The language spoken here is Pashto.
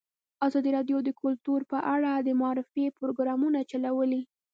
ازادي راډیو د کلتور په اړه د معارفې پروګرامونه چلولي.